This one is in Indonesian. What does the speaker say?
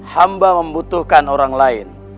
hamba membutuhkan orang lain